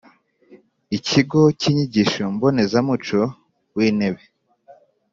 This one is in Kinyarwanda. Ikigo cy Inyigisho Mbonezamuco wintebe